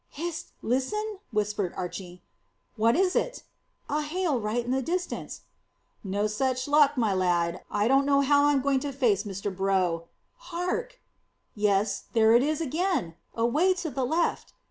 "Hist! Listen!" whispered Archy. "What is it?" "A hail right in the distance." "No such luck, my lad. I don't know how I'm going to face Mr Brough. Hark!" "Yes; there it is again, away to the left.